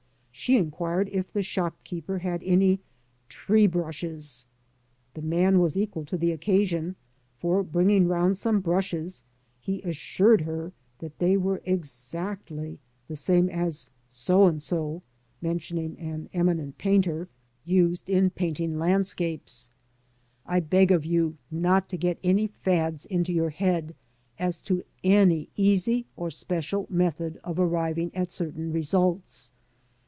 She inquired if the shop keeper had any " tree brushes "! The man was equal to the occasion, for, bringing round some brushes, he assured her they were exactly the same as '* So and so '' (mentioning an eminent painter) used in 12 LANDSCAPE PAINTING IN OIL COLOUR. painting landscapes. I beg of you not to get any fads into your head as to any easy or special method of arriving at certain results.